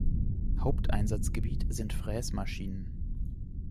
Haupteinsatzgebiet sind Fräsmaschinen.